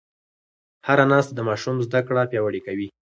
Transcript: هره ناسته د ماشوم زده کړه پیاوړې کوي.